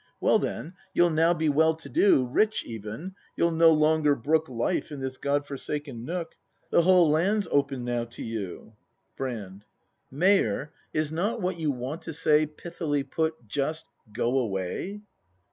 Well, then; you'll now be well to do. Rich even; you'll no longer brook Life in this God forsaken nook; The whole land's open now to you. Brand. Mayor, is not what you want to say. Pithily put, just: "Go away"?